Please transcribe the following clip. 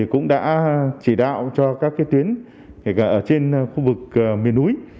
cũng đã chỉ đạo cho các tuyến ở trên khu vực miền núi